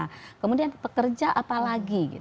nah kemudian pekerja apa lagi